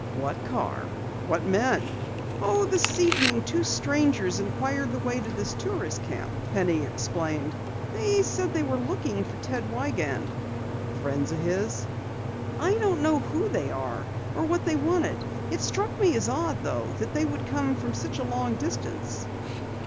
"What car? What men?" "Oh, this evening two strangers inquired the way to this tourist camp," Penny explained briefly. "They said they were looking for Ted Wiegand." "Friends of his?" "I don't know who they were or what they wanted. It struck me as odd though, that they would come from such a long distance."